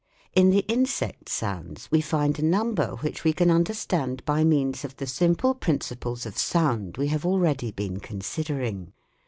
In the insect sounds we find a number which we can understand by means of the simple principles of sound we have already been con sidering.